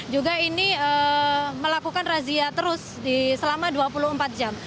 juga ini melakukan razia terus selama dua puluh empat jam